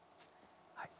はい。